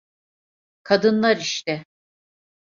Kadınlar işte.